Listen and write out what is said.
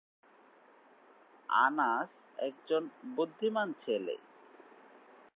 আনাস একজন বুদ্ধিমান ছেলে।